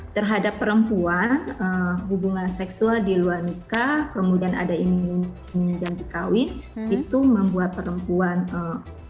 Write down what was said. terhadap perempuan hubungan seksual di luar nikah kemudian ada ini janji kawin itu membuat perempuan ee